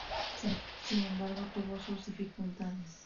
Sin embargo tuvo sus dificultades.